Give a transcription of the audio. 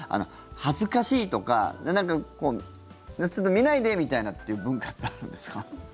恥ずかしいとかちょっと見ないでーみたいなっていう文化はあるんですか？